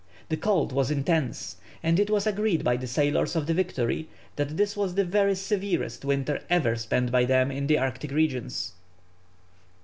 The cold was intense, and it was agreed by the sailors of the Victory that this was the very severest winter ever spent by them in the Arctic regions.